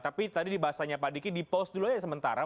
tapi tadi di bahasanya pak diki dipost dulu aja sementara